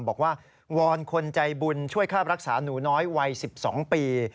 บอกว่าวอนคนใจบุญช่วยคาบรักษานูน้อยวัย๑๒ปี